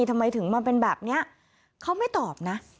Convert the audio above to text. ทำไมถึงมาเป็นแบบนี้เขาไม่ตอบนะ